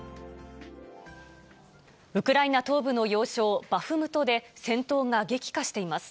ウクライナ東部の要衝、バフムトで戦闘が激化しています。